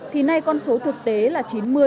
thì nay con số thực tế là chín mươi